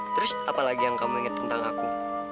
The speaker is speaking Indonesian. terus apa lagi yang kamu ingat tentang aku